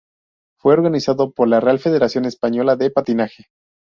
Fue organizado por la Real Federación Española de Patinaje.